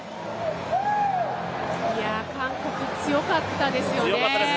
韓国強かったですよね。